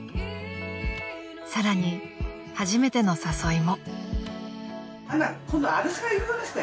［さらに初めての誘いも］